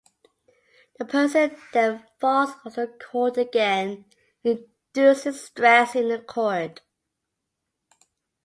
The person then falls on the cord again, inducing stress in the cord.